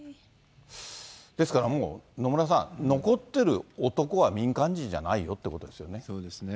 ですからもう、野村さん、残っている男は民間人じゃないよっそうですね。